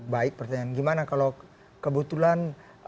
baik pertanyaan gimana kalau kebetulan